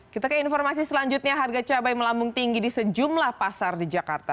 kita ke informasi selanjutnya harga cabai melambung tinggi di sejumlah pasar di jakarta